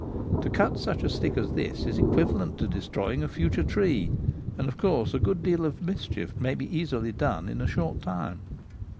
To cut such a stick as this is equivalent to destroying a future tree, and of course a good deal of mischief may be easily done in a short time.